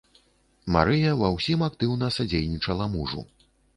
Марыя ва ўсім актыўна садзейнічала мужу.